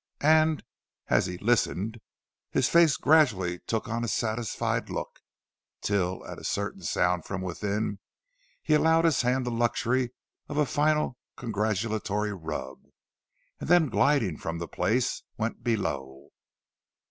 And as he listened his face gradually took on a satisfied look, till, at a certain sound from within, he allowed his hands the luxury of a final congratulatory rub, and then gliding from the place, went below.